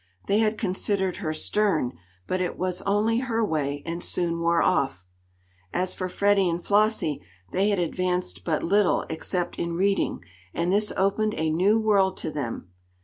They had considered her stern, but it was only her way, and soon wore off. As for Freddie and Flossie, they had advanced but little except in reading, and this opened a new world to them.